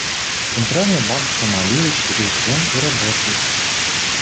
Центральный банк Сомали учрежден и работает.